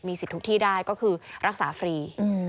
สิทธิ์ทุกที่ได้ก็คือรักษาฟรี